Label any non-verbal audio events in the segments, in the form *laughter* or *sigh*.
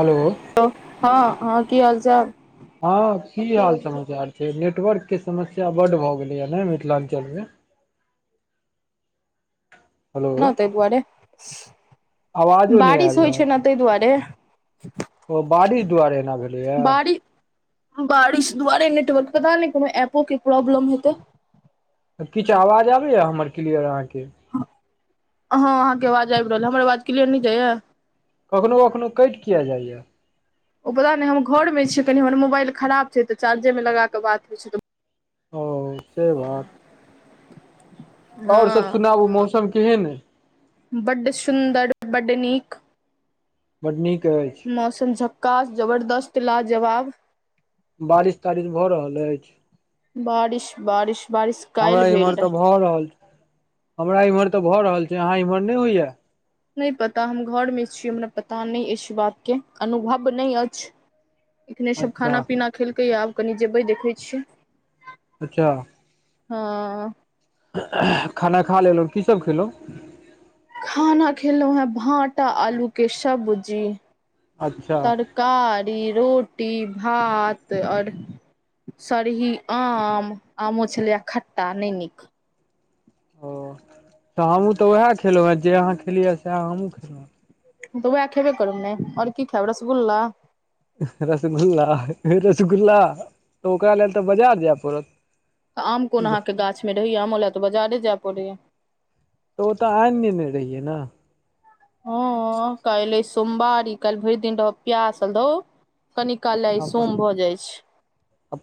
Hello हँ हँ की हालचाल हँ की हाल समाचार छै नेटवर्क के समस्या बड्ड भऽ गेलैय ने मिथिलाञ्चलमे हेलो नै ताहि दुआरे आवाजो नहि बारिश आयल होइ रहल छै ने ताहि दुआरे ओ बारिश दुआरे एना भेलैए बारि बारिश दुआरे नेटवर्क पता नहि कोनो एपो के प्रॉब्लम हेतै तब किछु आवाज आबैया हमर क्लियर अहाँके ह हँ अहाँके आवाज आबि रहल ये हमर आवाज क्लियर नहि जाइये कखनो कखनो कटि किया जाइए ओ पता नहि हम घर मे छियै कनि हमर मोबाइल खराब छै तऽ चार्जे मे लगा कऽ बात होइ छै ओ से बात तऽ आओर सब हँ सुनाबु मौसम केहन अय बड्ड सुन्दर बड्ड नीक बड्ड नीक अछि। मौसम झक्कास जबरदस्त लाजबाब बारिश तारिश भऽ रहल अछि बारिश बारिश बारिश हमरा काल्हि भेल इम्हर तऽ रहै भऽ रहल छै हमरा इमहर तऽ भऽ रहल छै अहाँ इम्हर नहि होइये। नहि पता हम घर मे छी हमरा पता नहि अछि बात के अनुभव नहि अछि एखने सभ अच्छा खाना पीना खेलकैए आब कनि जेबै देखै छियै अच्छा हँ खाना खा लेलहुँ की सब खेलहुँ खाना खेलौं हें भाँटा आलू के सब्जी अच्छा कारी रोटी भात आओर सरही आम आमो छलैये खट्टा नहि नीक ओ तऽ हमहूँ तऽ उएह खेलौं हें जे अहाँ खेलियै सएह हमहूँ खेलहुँ हें तऽ उएह खेबे करब ने और की खेब रसगुल्ला रसगुल्ला रसगुल्ला तऽ ओकरा लेल तऽ बाजार जाय पड़त आम कोन अहाँके गाछ मे रहैये आमो ले तऽ बाजारे जाय पड़ैये। ओ तऽ आनि ने ने रहियै नऽ हँ काइल अय सोमवारी काइल भरि दिन रहब पियासल धौ कनी कालले ई आ सोम भऽ जाइ छै।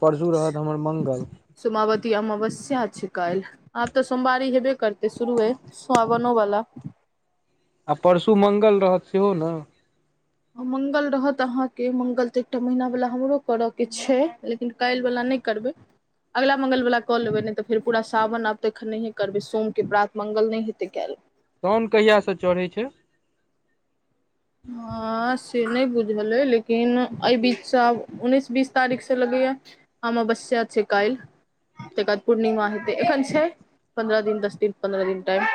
परसू रहत हमर मंगल सोमावती अमावस्या छै काल्हि आब तऽ सोमवारी शुरु होयबे करतै शुरुए। सावनो वाला। आ परसू मंगल रहत सेहो नऽ। मंगल रहत अहाँ के मंगल तऽ एकटा महीना वला हमरो करय के छै लेकिन काल्हि वला ने करबै अगिला मंगलवला कऽ लेबै नहि तऽ फेर पूरा सावन आब तखन नहिए करबै सोमके प्रात मंगल नहि हेतै कयल साउन कहियासँ चढ़ै छै हँ से नहि बुझल अइ लेकिन एहि बीचसँ आब उनैस बीस तारीख से लगैया अमावस्या छै काल्हि तहिके बाद पूर्णिमा हेतैक एखन छैै पन्द्रह दिन दस दिन पन्द्रह दिन टाइम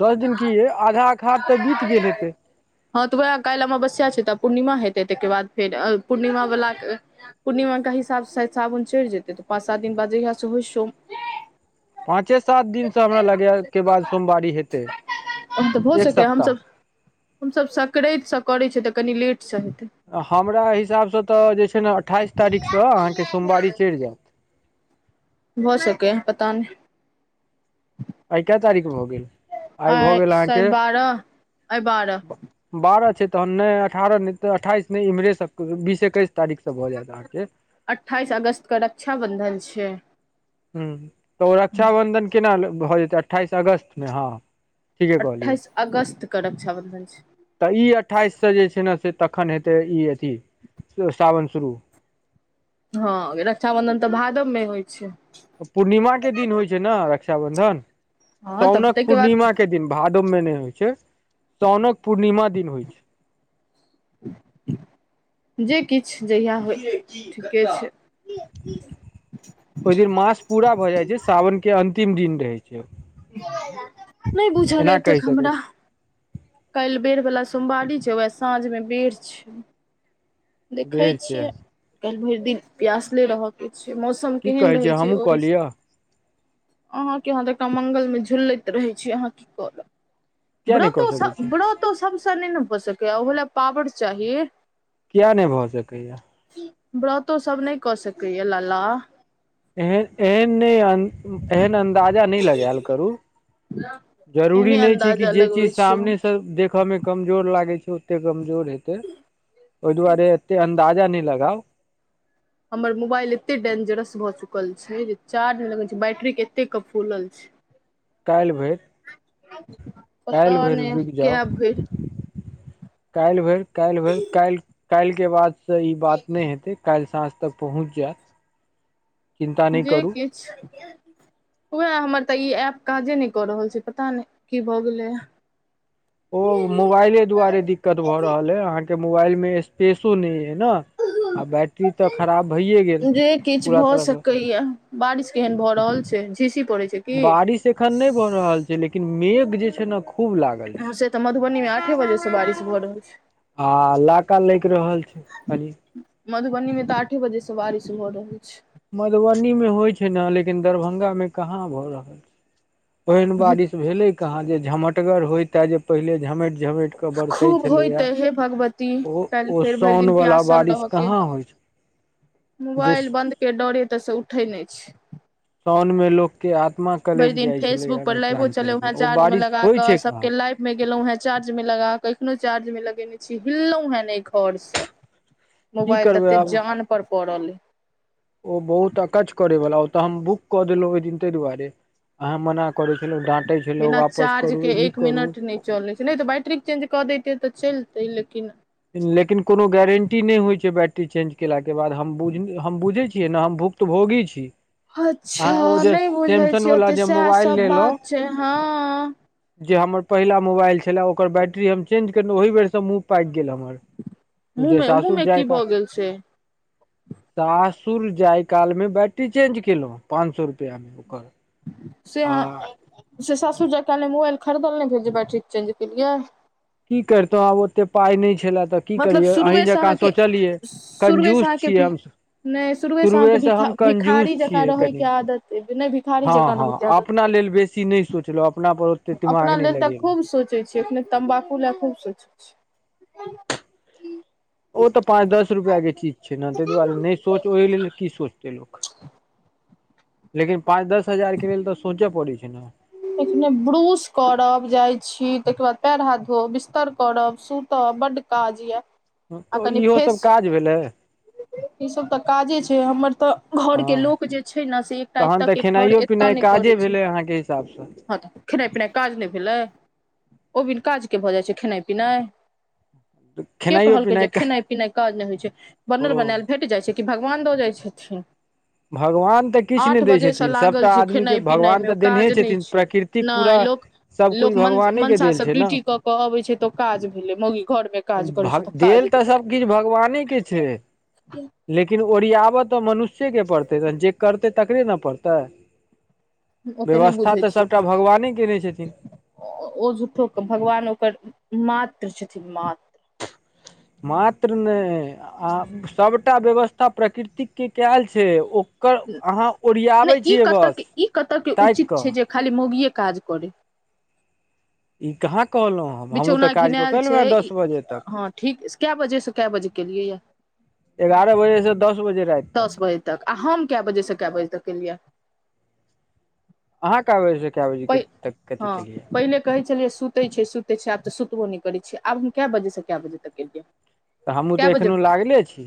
दस दिन की यै आधा अखाड़ तऽ बीत गेल हेतै हँ तऽ उएह काल्हि अमावस्या छै तऽ पूर्णिमा हेतै ताहिके बाद फेर पूर्णिमा बाला के पूर्णिमाके हिसाब सँ साबन चढ़ि जेतै तऽ पाँच सात दिन बाद जहिया सँ होइ सो पाँचे सात दिनसँ हमरा लगैये के बाद सोमवारी हेतै तऽ भऽ एक सकैए सप्ताह हमसभ हमसभ सक्रैंतसँ करैछीयै तऽ कनी लेटसँ हेतै हमरा हिसाबसँ तऽ जे छै ने अठाइस तारीखसँ अहाँके सोमवारी चैढ़ जाएत। भऽ सकेैयै पता नहि आइ के तारीख भऽ गेल आइ भऽ गेल शायद अहाँके बारह आइ बारह बारह छै तहन नहि अठारह नहि तऽ अट्ठाइस नहि इम्हरेसँ बीस एकैस तारीखसँ भऽ जायत अहाँके। अट्ठाइस अगस्त के रक्षाबन्धन छियै। ह्म तऽ ओ रक्षाबन्धन केना भऽ जेतै अट्ठाइस अगस्तमे हँ ठीके कहलियै अट्ठाइस अगस्त के रक्षाबंधन छै तऽ ई अट्ठाइससँ जे छै ने से तखन हेतै ई अथी सावन शुरू हँ रक्षाबंधन तऽ भादवमे होइ छै। पूर्णिमा के दिन होइ छै नऽ रक्षा बंधन हँ तब साउनक ताहिके बाद पूर्णिमा के दिन भादव मे नहि होइ छै साउनक पूर्णिमा दिन होइ छै जे किछ जहिया होय ठीके छै। ओहि दिन मास पूरा भऽ जाइ छै साावन के अंतिम दिन रहै छै। नहि बुझल अय एना कहि एतेक सकै हमरा। छी काल्हि बेर वला सोमवारी छै वएह साँझ मे बेर छै देखै बेर छै छियै काल्हि भरि दिन प्यासले रहय के छै मौसम म की केहन कहै रहै छै हमहूँ ओ कऽ लिअ हिसाबसँ अहाँके अहाँ एकटा मंगलमे झुलैत रहै छी अहाँ की करब किया नहि कऽ व्रतो सकै सभ छी व्रतो सभसँ नहि ने भऽ सकैए ओहो लए पावर चाही। किया नहि भऽ सकैये व्रतो सब नहि कऽ सकैये लाला एहेन एहन नहि एहन अन्दाजा नहि लगायल करू जरूरी एहने नहि छै कि अन्दाजा जे चीज लगबै छियै हम सामनेसँ देखऽमे कमजोर लागै छै ओते कमजोर हेतै ओहि दुआरे एते अन्दाजा नहि लगाउ हमर मोबाइल एतेक डेंजरस भऽ चुकल छै जे चार्ज मे लगेन छियै बैटरी एते कऽ फूलल छै काल्हि भरि पता काल्हि भरि नहि रुकि जाउ कै भरि काल्हि भरि काल्हि भरि काल्हि काल्हि के बाद से ई बात नहि हेतै काल्हि साँझ तक पहुँच जायत चिन्ता नहि जे करू किछ उएह हमर तऽ ई एप काजे नहि कऽ रहल छै पता नहि की भऽ गेलैये। ओ उ मोबाइले दुआरे दिक्कत भऽ रहल अय अहाँके मोबाइलमे स्पेसो नहि यै ने आ बैटरी तऽ खराब भैइए गेल पूरा तरहसँ कहिया बारिश केहन भऽ रहल छै झीसी पड़ै छै की बारिश एखन नहि भऽ रहल छै लेकिन मेघ जे छै ने खूब लागल हँ छै से तऽ मधुबनीमे आठे बजेसँ बारिश भऽ रहल छै। आ लाका लैक रहल छै कनी। मधुबनीमे तऽ आठे बजे सँ बारिश भऽ रहल छै। मधुबनीमे होइत छै ने लेकिन दरभंगामे कहाँ भऽ रहल छै ओहन छै बारिश भेले कहा जे झमटगर होय हे जे पहिले झमैट झमैट के बरसै खूब होइत छलैया हे भगवती ओ काल्हि ओ फेर भरि दिन साउनवला प्यासल बारिश रहके कहाँ होइत छय मोबाइल बंन्द के डरे तऽ से उठै नहि छै साउन मे लोक के आत्मा भरि कलपि दिन जाय छले फेसबुक ह पर लाइवो मिथिलांचल चलेलहुँ मे हेँ ओ चार्ज बारिश लगा होइ कऽ छै कहाँ सबके लाइव मे गेलहुॅं हेँ चार्ज में लगाके अखनो चार्ज में लगेने छी हिललहुं हेँ ने घरसँ की मोबाइल करबै तते आब जान पर पड़ल ओ बहुत अकच करे वाला ओ तऽ हम बुक कऽ देलहुं ओहि दिन ताहि दुआरे अहा मना करै छलहुँ डाँते छलहुँ बिना वापस चार्ज करू के ई एक करू मिनट नहि चलै छै ने तऽ बैट्रिक चेंज कऽ देते तऽ चलतै लेकिन लेकिन कोनो गारंटी नहि होइ छै बैटरी चेंज केलाके बाद हम हम बुझै छियै ने हम भुख तऽ भोगी छी अहाँ ओ अच्छा जे नहि बुझे सैमसन छीय वाला ओते जे सएह मोबाइल सब लेलहुँ बात छै हँ जे हमर पहिला मोबाइल छलए ओकर बैटरी हम चेंज केलहुँं ओहि बेरसँ मूह पाकि गेल हमर मुँह जेे मे मुँह सासुर मे जाय की का भऽ गेल छै सासुर जाय काल में बैट्री चेंज केलों पांच सए रुपआ में ओकर से आ अहाँ से सासुर जाय काले मोबाइल खरीदल नहि भेल जे बैट्ररी चेंज केलियए की करितहुँ आब ओते पाइ नहि छलए तऽ की मतलब करियै अहीं शुरुएसँ जकाँ अहाँके सोचलियै शुरुएसँ कंजूस अहाँके छियै भ हम नहि शुरुएसँ अहाँके शुरुए से भिख हम भिखारी कंजूस जकाँ छियै कनि रहयके आदत अ नहि भ हँ हँ अपना लेल बेसी नहि सोचलहुँ अपना पर ओते दिमाग अपना नहि लेल तऽ लगेलहुँ खूब सोचै छियै अपने तम्बाकू लए खूब सोचै छियै ओ तऽ पाच दस रुपआके चीज छै ने ताहि दुआरे नहि सोच ओहि लेल की सोच लोक लेकिन पाँच दस हजार के लेल तऽ सोचय पड़ै छै ने खने ब्रूश करब जाइत छी तहिके बाद पैर हाथ धोब बिस्तर करब सुतब बड्ड काज य इहो सब काज भेलै ई सब तऽ काजे छै हमर तऽ घरके हँ लोक जे छै ने से एकटा ए के घर ए कि नहि काजे भेलै अहाँके हिसाबसँ हँ तऽ खेनाइ पिनाइ काज नहि भेलै ओबिन काजके भऽ जाइ छै खेनाइ पिनाइ के खेनाइयो कहलकै जे पिनाइ खेनाइ पिनाइ काज नहि होइ छै बनल ओ बनायल भेट जाइ छै कि भगवान दऽ जाइ छथिन भगवान तऽ किछु नहि आठ दै बजे से छथिन लागल सभटा छिये आदमीके खेनाइ पिनाइ भगवान मे ओ तऽ देनहे काज नहि छथिन प्रकृतिक पूरा नहि लोक लोक सभकिछु मन भगवानेके मनसा देल सब छै ने ड्यूटी कऽ के अबै छै तऽ ओ काज भेलै मौगी घर मे काज करै भ छै काज देल तऽ भेलै सब किछ भगवाने के छै *inaudible* लेकिन ओरियाबऽ तऽ मनुष्येके पड़तै न जे करतै तकरे ने पड़तै ओते नहि व्यवस्था बुझै तऽ छियै सभटा भगवाने केने छथिन ओ झूठोे भगवान ओकर मात्र छथिन मात्र मात्र नहि आ सभटा व्यवस्था प्रकृतिक के कयल छै ओ ओकर अहाँ नहि ओरियाबे ई छियै कतऽ बस के ई कतऽ के ताकि उचित कऽ छै जे खाली मौगिये काज करै ई कहाँ कहलो बिछौना घिनायल छै ई तक हँ ठीक कए बजेसँ कए बजे केलियैए एगारह बजेसँ दस बजे रात दस बजे तक आ हम क बजे से क बजे तक केलियै अहाँ कए बजेसँ कए बजे पै तक कथी हँ केलियै पहिले कहै छलियै सुतै छै सुतै छै आब तऽ सुतबो नहि करैत छियै आब हम कए बजेसँ कए बजे तक एलियै तऽ हमहहुूँ कए तऽ बजे एखनो लागले छी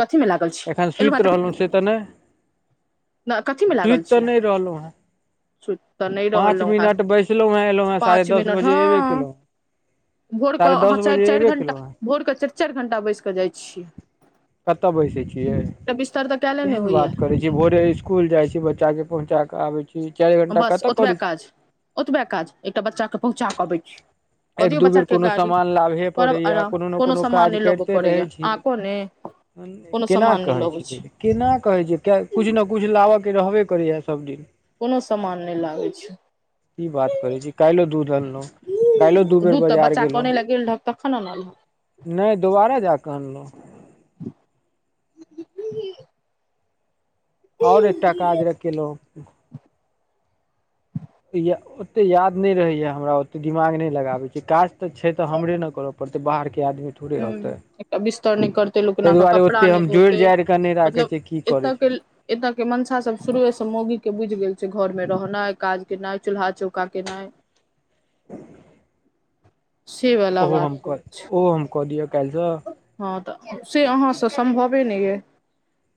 कथी मे लागल छी एखन एलहुँ हेँ सुति रहलहुँ से तऽ नहि तऽ कथी मे सुति लागल तऽ छी नहि रहलहुँ हँ सुति तऽ नहि रहलहुँ हँ बैसलहुँ हेँ एलहुँ हेँ साढ़े पाँच दस मिनट बजे एबे हँ केलहुँ भोरके साढ़े अहाँ दस चारि बजे चारि एबे घण्टा केलहुँ हेँ भोरके चारि चारि घण्टा बैसि कऽ जाइ छियै कतअ बैसे छियै एकटा बिस्तर तऽ कयले नहि केहन होइया बात करै छी भोरे स्सकूल जाय छी छै बच्चा के पहुँचा के आबे छै चारि घंटा बस कतअ ओतबे करै काज ओतबे काज एकटा बच्चा कऽ पहुँचा कऽ आबै छी कऽ एक दियौ दू बेर बच्चाके कोनो गाड़ी सामान लाभहे करब पड़ैए यऽ आराम कोनो नऽ कोनो सामान काज नहि लबय करिते रहै पड़ैया छी अहाँ को ने कोनो केना सामान नहि कहै लबै छी जे केना कहै छिये कछु ने कछु लाबय कऽ रहबे करैए यऽ सभदिन कोनो सामान नहि लागै छै की बात करै छी काल्हो दूध आनलो हँ त दूध तऽ बच्चा कऽ आने लऽ गेल रहक तखनल अनलहक नइ दोबारा जा कऽ अनलहुँ *inaudible* और एकटा काज रहे केलहुँ ओते याद नहि रहैया हमरा ओते दिमाग नहि लगाबै छै काज तऽ छै तऽ हमरे ने करअ पड़ते बाहर के आदमी थोड़े हुँ होतै एक बिस्तर नइ करते लोक एना ताहि कऽ दुआरे कपड़ा ओतेक नइ हम जोड़ि धोते जाड़ि कऽ नहि राखै मतलब छियै की करै एतअ के छै एतय के मंसा सब शुरुए से मोगी के बुझि गेल छै घर मे रहनाइ काज केनाइ चूल्हा चौका केनाइ से वाला ओहो बात हम सब कऽ छै ओहो हम कऽ दिअ काल्हिसँ हँ तऽ से अहाँ से सम्भवे नहि ये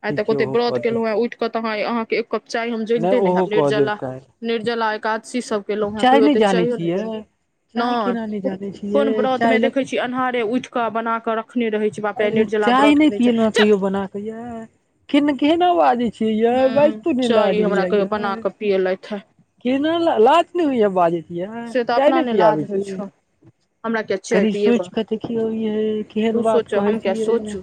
आइ तऽ ठीक छै कते ओहो व्रत कऽ देब केलहुँ हे उठि कत अहाँके एक कप चाय हम जनिते नहि न ओहो हेब कऽ देब निर्जला काल्हि निर्जला एकादशी सब केलहु हँ चाय कहियो नहि ओते जानै चाहियो छियै चाय नय केना नहि जानै छियै कोन व्रत चाय मे लग देखै छी की अन्हारे उठि कऽ बना के रखने रहे छी चाय नहि पियलहु ह कहियो बना केे य यै कि केहना बाजै छी यै बइजतो नइ लाज होइ यऽ यै पीएलैथ ह कि न लाज नहि हई यऽ बाजैत यै से तऽ चाय अपना नहि ने पिआबै लाज होइ छी छौ हमरा किया चाय कनि पियेबह सोचिक देखियौ यै तू केहन बात सोचह कहै हम किया छी यै सोचू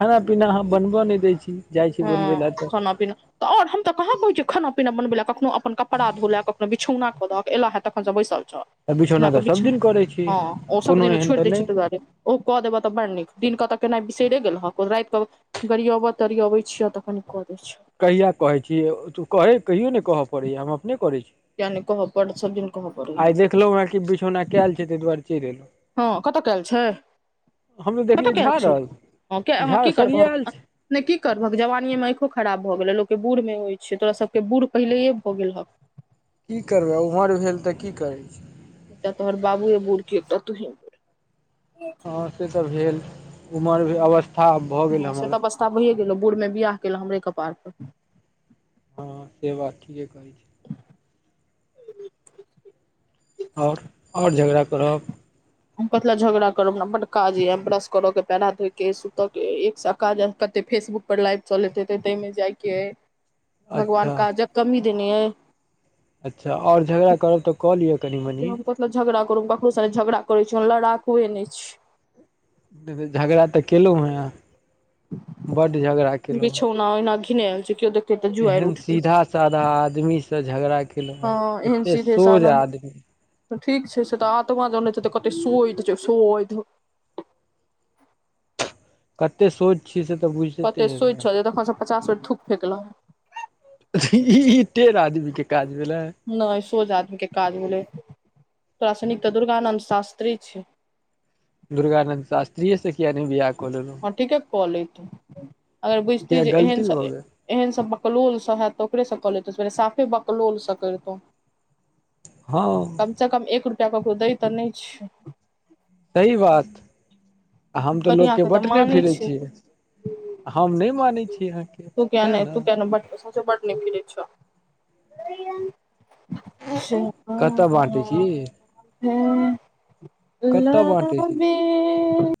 खाना पीना अहाँ बनबअ नहि दै छी जाइ छी बनबै हँ लऽ तऽ *inaudible* तऽ आओर हम तऽ कहाँ कहै छी खाना पीना बनबे ल कखनो अपन कपड़ा धोए लऽ कखनो बिछौना कऽ द एला हे तखन से बैसल छह बिछौना एना कऽ तऽ सभ बिछा दिन करै छी हँ ओ सभ कोनो दिन एहन छोड़ि तऽ दै नहि छियै ताहि दुआरे ओ कऽ देबह तऽ बड़ नीक दिननक तऽ केना बिसरे गेलह राति कऽ गरियबह तरियबैह छियह तखैन कऽ दै छह कहिया कहैत छी तू कहै कहियो नहि कहऽ पड़ै या हम अपने करै छी जाले कहब बड दिन कहब आइ देखलहु हे कि बिछौना कयल छै ताहि दुआरे चलि एलहुँ हँ कतय कयल छै हम तऽ कतय देखलियै कयल छै झाड़ल हँ किया अहाँ झाड़ की सरिये करबह आयल छै नहि की करबहक जवानीे मे आँखों खराब भऽ गेलह लोकके बूढ़ मे होइ छै तोरा सबके बूढ़ पहिलेये भऽ गेलहक की करबै ओम्हर भेल तऽ की करै छी एकटा तोहर बाबुए बड़ की एकटा तुहे बुढ़ हँ से तऽ भेल उमर भे अवस्था भऽ गेल हँ से तऽ हमर अवस्था भइए गेल बूढ़ मे बियाह केलहु हमरे कपार पर हँ से बात ठीके कहै छी आओर आओर झगड़ा करब हम कथि ल झगड़ा करब हमरा बड काज य ब्रश करे के पेड़ा हाथ धोई के सुत के एक सै काज कते फेसबुक पर लाइभ चलेत हेते ताहि जाइके हइ *inaudible* भगवान काजके कमी देने अय अच्छा आओर झगड़ा करब तऽ कऽ लिअ कनि मनि हम कथी झगड़ा करू ककरो सने झगड़ा करय छी ओहन लड़ाकुए नहि छी झगड़ा तऽ केलहुँ हँ बड् झगड़ा केलहुँ हँ न ओहिना घिनाल छै केओ देख एहेन सीधा साधा आदमी से झगड़ा केलो हँ हें एहन एते सीधे सोझ साधन आदमी ठीक छै से तऽ आत्मा जान छै तऽ कते सोध छै सोध कते शोध छियै से तऽ बुझते कते सोइत हेबैह छल तखन से पचास बेर थूक फेकलक ई टेढ़ आदमी के काज भेले नहि सोझ आदमी के काज भेलै तोरा सनिक तऽ दुर्गानंद शास्त्री छय दुर्गानन्द शास्तीयसँ कियाने बिआह क लेलहूँ हँ ठीके कले तू अगर किया बुझतियै जे गलती एहन भऽ गेल एहन सभ बकलोलसँ हेत तऽ ओकरेसँ कऽ लेतहु सेरे साफे बकलोलसँ करितहु हँ कम से कम एक रुपआ ककरो दै तऽ नहि छै सही बात आ हम तऽ कनिया लोकके के तऽ बटने मानै फिरै छै छियै हम नहि मानै छी अहाँके तू किया सएह नहि ने तू किया नहि बड सौंसे कतऽ बाँटै छी *unintelligible* हू *unintelligible* कतय बाँटै छै ह *unintelligible*